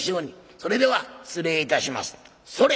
「それでは失礼いたします。それ」。